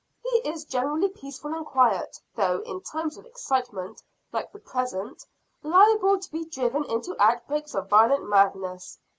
He is generally peaceful and quiet; though in times of excitement like the present, liable to be driven into outbreaks of violent madness.